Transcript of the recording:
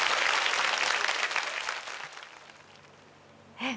えっ？